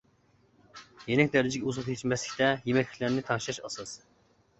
يېنىك دەرىجىدىكى ئوزۇقلۇق يېتىشمەسلىكتە يېمەكلىكلەرنى تەڭشەش ئاساس.